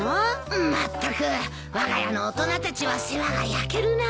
まったくわが家の大人たちは世話が焼けるな。